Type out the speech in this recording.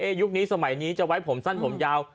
ยุคนี้สมัยนี้จะไว้ผมสั้นผมยาว